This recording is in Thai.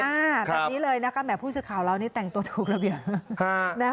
แบบนี้เลยนะครับแหม่งผู้สื่อข่าวร้านี้แต่งตัวถูกแล้วเหรอ